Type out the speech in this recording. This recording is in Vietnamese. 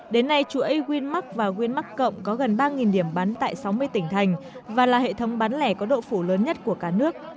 đến nay chuỗi winmark và winmark cộng có gần ba điểm bán tại sáu mươi tỉnh thành và là hệ thống bán lẻ có độ phủ lớn nhất của cả nước